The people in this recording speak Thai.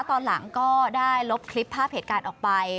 ตอนหลังก็ได้ลบคลิปภาพเหตุการณ์ออกไป